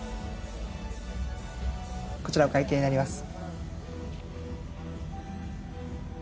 こちらお会計になります。